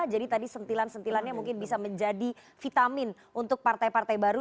jadi tadi sentilan sentilannya mungkin bisa menjadi vitamin untuk partai partai baru